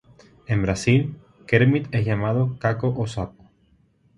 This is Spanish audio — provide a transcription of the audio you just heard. En Brasil, Kermit es llamado "Caco o Sapo".